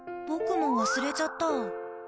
僕も忘れちゃった。